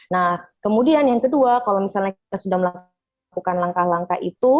nah kemudian yang kedua kalau misalnya kita sudah melakukan langkah langkah itu